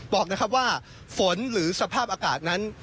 บอกนะครับว่าฝนหรือสภาพอากาศนั้น